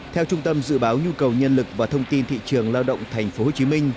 theo trung tâm dự báo nhu cầu nhân lực và thông tin thị trường lao động tp hcm